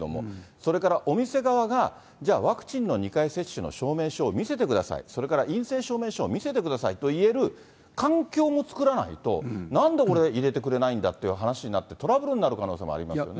それからお店側が、じゃあ、ワクチンの２回接種の証明書を見せてください、それから陰性証明書を見せてくださいと言える環境も作らないと、なんで俺入れてくれないんだって話になって、トラブルになる可能性もありますよね。